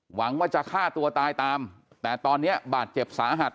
หวังว่าจะฆ่าตัวตายตามแต่ตอนนี้บาดเจ็บสาหัส